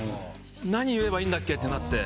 「何言えばいいんだっけ？」ってなって。